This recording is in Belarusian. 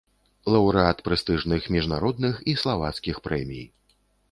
Лаўрэат прэстыжных міжнародных і славацкіх прэмій.